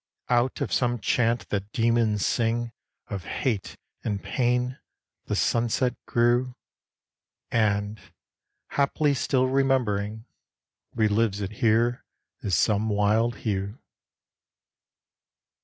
Out of some chant that demons sing Of hate and pain, the sunset grew; And, haply, still remembering, Re lives it here as some wild hue.